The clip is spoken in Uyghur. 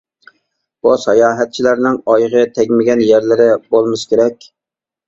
بۇ ساياھەتچىلەرنىڭ ئايىغى تەگمىگەن يەرلىرى بولمىسا كېرەك.